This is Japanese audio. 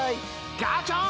ガチョーン！